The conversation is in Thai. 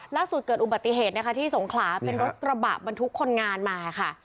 เกิดอุบัติเหตุนะคะที่สงขลาเป็นรถกระบะบรรทุกคนงานมาค่ะ